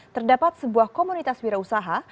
terdapat sebuah komunitas wira usaha